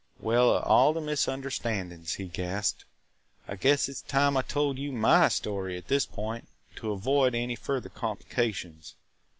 "Well, of all the misunderstandings!" he gasped. "I guess it 's time I told my story at this point, to avoid any further complications.